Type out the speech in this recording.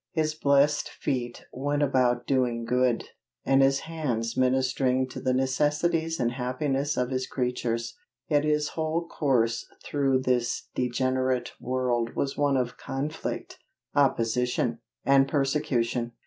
His blessed feet went about doing good, and His hands ministering to the necessities and happiness of His creatures, yet His whole course through this degenerate world was one of conflict, opposition, and persecution.